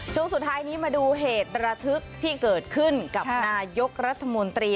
ช่วงสุดท้ายนี้มาดูเหตุระทึกที่เกิดขึ้นกับนายกรัฐมนตรี